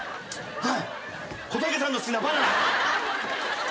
はい。